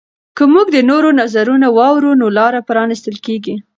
که موږ د نورو نظرونه واورو نو لاره پرانیستل کیږي.